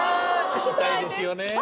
聴きたいですよね。